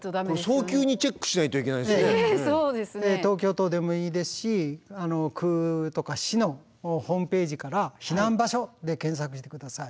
東京都でもいいですし区とか市のホームページから「避難場所」で検索して下さい。